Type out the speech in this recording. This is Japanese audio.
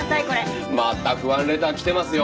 またファンレター来てますよ。